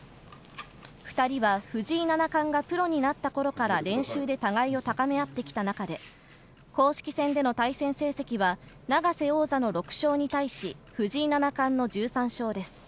２人は藤井七冠がプロになった頃から練習で互いを高め合ってきた仲で、公式戦での対戦成績は永瀬王座の６勝に対し、藤井七冠の１３勝です。